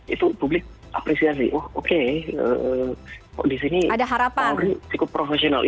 itu publik apresiasi oh oke kok di sini polri cukup profesional